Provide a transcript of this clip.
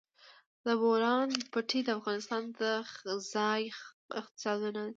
د بولان پټي د افغانستان د ځایي اقتصادونو بنسټ دی.